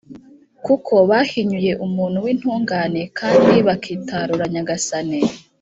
kuko bahinyuye umuntu w’intungane kandi bakitarura Nyagasani.